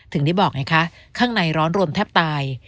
ถึงได้บอกไงคะข้างในร้อนรวมแทบตาย